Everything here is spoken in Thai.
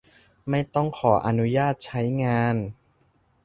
ไม่ต้องขออนุญาตใช้งาน